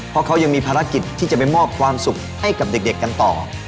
เพราะเขายังมีภารกิจที่จะไปมอบความสุขให้กับเด็กกันต่อ